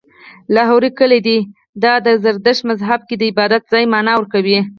لاهور کلی دی، دا د زرتښت مذهب کې د عبادت ځای معنا ورکوي